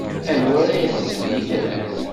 Anwa ara iḥesben itran?